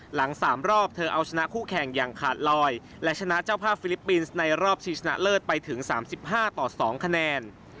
หลัง๓รอบเธอเอาชนะคู่แข่งอย่างขาดลอยและชนะเจ้าภาพฟิลิปปินส์ในรอบชิงชนะเลิศไปถึง๓๕ต่อ๒คะแนน